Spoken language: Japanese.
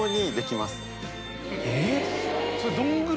えっ！